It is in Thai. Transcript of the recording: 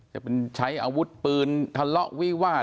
จะใช้อาวุธปืนทะเลาะวิวาต